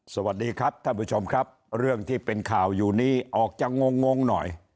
สวัสดีครับท่านผู้ชมครับเรื่องที่เป็นข่าวอยู่นี้ออกจะงงงหน่อย